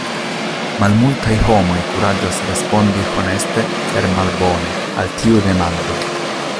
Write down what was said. Malmultaj homoj kuraĝas respondi honeste per Malbone al tiu demando.